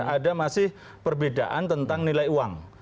ada masih perbedaan tentang nilai uang